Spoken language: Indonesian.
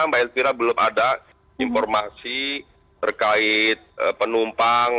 mbak elvira belum ada informasi terkait penumpang